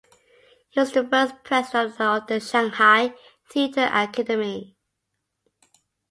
He was the first President of the Shanghai Theatre Academy.